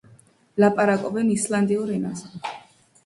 ლაპარაკობენ ისლანდიურ ენაზე.